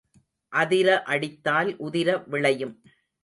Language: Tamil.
அதிர அடித்தால் உதிர விளையும்.